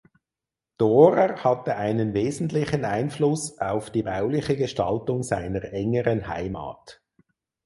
Dorer hatte einen wesentlichen Einfluss auf die bauliche Gestaltung seiner engeren Heimat.